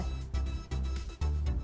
itu berapa lama tuh belajar